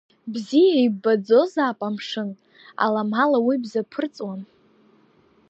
Бзиа иббаӡозаап амшын, аламала уи бзаԥырҵуам.